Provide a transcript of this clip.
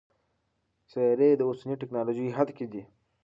سیارې د اوسني ټکنالوژۍ حد کې دي.